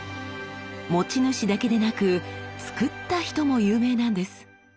持ち主だけでなくつくった人も有名なんです。